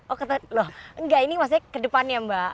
oh enggak ini maksudnya ke depannya mbak